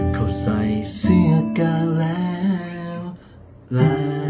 เขาใส่เสื้อกันแล้วลา